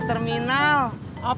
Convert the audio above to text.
baik ir demonstration nama